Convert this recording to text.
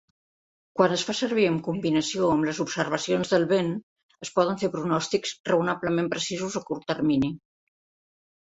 Quan es fa servir en combinació amb les observacions del vent, es poden fer pronòstics raonablement precisos a curt termini.